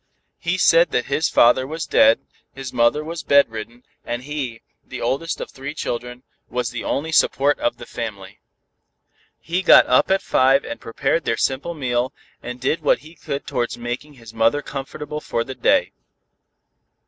He said that his father was dead, his mother was bedridden, and he, the oldest of three children, was the only support of the family. He got up at five and prepared their simple meal, and did what he could towards making his mother comfortable for the day.